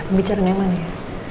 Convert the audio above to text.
pembicaraan yang mana ya